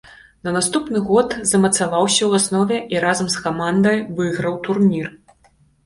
На наступны год замацаваўся ў аснове і разам з камандай выйграў турнір.